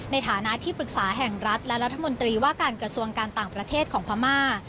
ในฐานะที่ปรึกษาแห่งรัฐและรัฐมนตรีว่าการกระทรวงการต่างประเทศของพม่า